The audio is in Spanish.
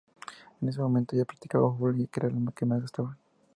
En ese momento, yo practicaba fútbol, que era lo que más me gustaba.